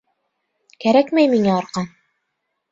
— Кәрәкмәй миңә арҡан.